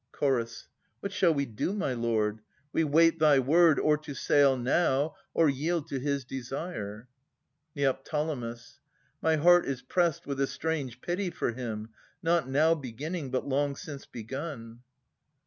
Ch. What shall we do, my lord ? We wait thy word Or to sail now, or yield to his desire. Ned. My heart is pressed with a strange pity for him. Not now beginning, but long since begun.